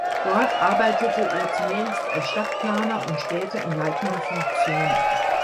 Dort arbeitete er zunächst als Stadtplaner und später in leitender Funktion.